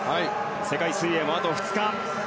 世界水泳も、あと２日。